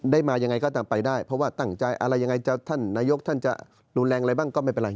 มายังไงก็ตามไปได้เพราะว่าตั้งใจอะไรยังไงท่านนายกท่านจะรุนแรงอะไรบ้างก็ไม่เป็นไร